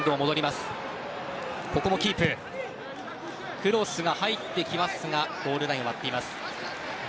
クロスが入ってきますがゴールラインを割っています。